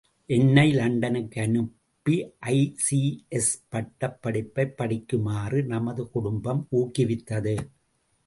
என்னை லண்டனுக்கு அனுப்பி ஐ.சி.எஸ்.பட்டப் படிப்பை படிக்குமாறு நமது குடும்பம் ஊக்குவித்தது.